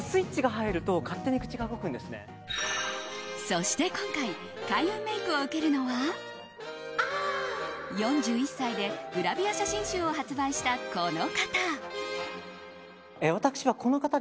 そして今回開運メイクを受けるのは４１歳でグラビア写真集を発売したこの方。